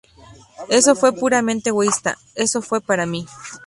Eso fue puramente egoísta; eso fue para mí".